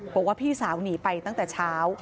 บอกว่าพี่สาวหนีไปตั้งแต่เช้า